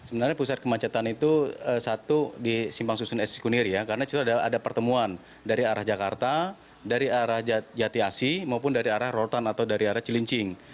sebenarnya pusat kemacetan itu satu di simpang susun s cikunir ya karena itu ada pertemuan dari arah jakarta dari arah jati asi maupun dari arah rortan atau dari arah cilincing